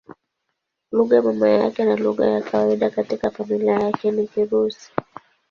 Lugha ya mama yake na lugha ya kawaida katika familia yake ni Kirusi.